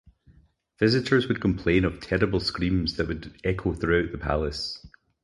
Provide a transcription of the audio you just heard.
Visitors would complain of terrible screams that would echo throughout the palace.